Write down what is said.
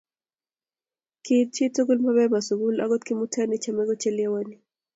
Kiit chitkul mapema sikul akot Kimutai nechame kochelewani